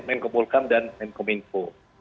mnk polkam dan mnk minfo